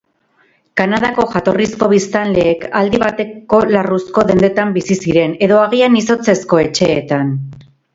Kanadako jatorrizko biztanleek aldi bateko larruzko dendetan bizi ziren, edo agian izotzezko etxeetan.